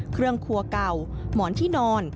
ห้องครัวเก่าหมอนที่นอน